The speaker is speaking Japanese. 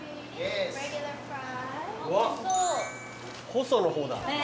細の方だ。